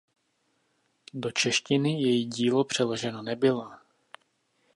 Do češtiny její dílo přeloženo nebylo.